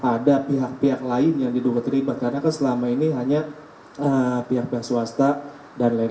ada pihak pihak lain yang di dua ratus tiga puluh tiga selama ini hanya pihak pihak swasta dan lain